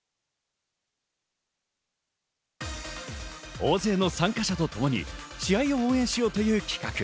大勢の参加者とともに試合を応援しようという企画。